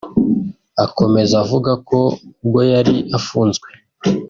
Akomeza avuga ko ubwo yari afunzwe